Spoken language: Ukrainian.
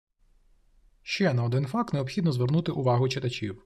Ще на один факт необхідно звернути увагу читачів